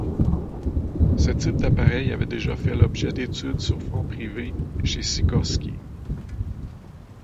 Ce type d'appareil avait déjà fait l'objet d'études sur fonds privés chez Sikorsky.